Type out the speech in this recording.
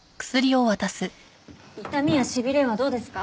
痛みや痺れはどうですか？